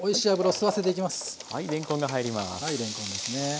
はいれんこんですね。